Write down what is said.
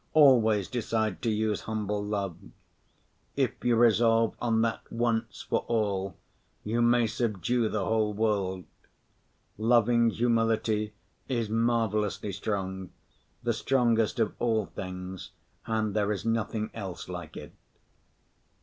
Always decide to use humble love. If you resolve on that once for all, you may subdue the whole world. Loving humility is marvelously strong, the strongest of all things, and there is nothing else like it.